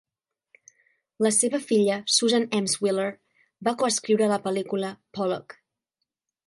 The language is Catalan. La seva filla Susan Emshwiller va coescriure la pel·lícula "Pollock".